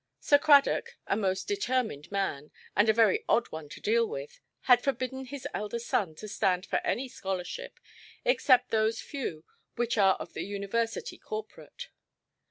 Sir Cradock, a most determined man, and a very odd one to deal with, had forbidden his elder son to stand for any scholarship, except those few which are of the University corporate.